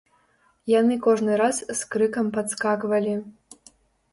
Яны кожны раз з крыкам падскаквалі.